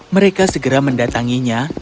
mereka segera mendatanginya